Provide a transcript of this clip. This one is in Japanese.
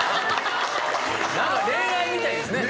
恋愛みたいですね